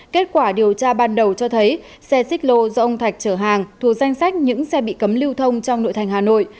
kết quả điều tra ban đầu cho thấy xe xích lô do ông thạch chở hàng thuộc danh sách những xe bị cấm lưu thông trong nội thành hà nội